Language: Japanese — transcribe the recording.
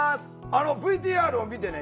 あのＶＴＲを見てね